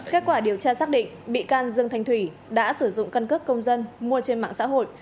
kết quả điều tra xác định bị can dương thanh thủy đã sử dụng căn cước công dân mua trên mạng xã hội